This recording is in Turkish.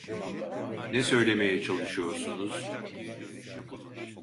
Ne söylemeye çalışıyorsunuz?